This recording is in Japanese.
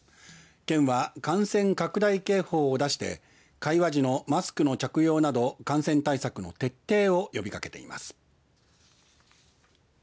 県は、感染拡大警報を出して会話時のマスクの着用など感染対策の徹底を呼びかけています。